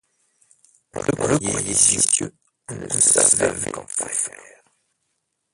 On le croyait vicieux, on ne savait qu'en faire.